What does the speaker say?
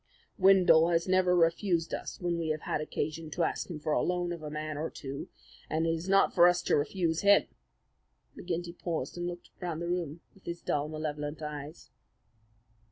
"Windle has never refused us when we have had occasion to ask for the loan of a man or two, and it is not for us to refuse him." McGinty paused and looked round the room with his dull, malevolent eyes.